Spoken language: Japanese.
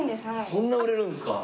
そんな売れるんですか？